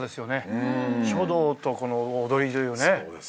書道と踊りというね。